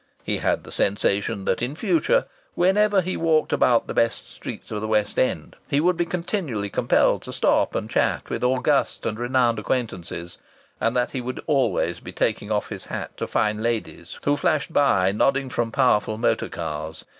He had the sensation that in future, whenever he walked about the best streets of the West End, he would be continually compelled to stop and chat with august and renowned acquaintances, and that he would always be taking off his hat to fine ladies who flashed by nodding from powerful motor cars.